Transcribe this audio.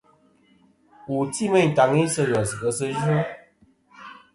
Wù ti meyn tàŋi sɨ̂ ghès, ghèsɨ yvɨ.